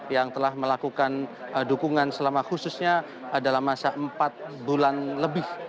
yang telah melakukan dukungan selama khususnya dalam masa empat bulan lebih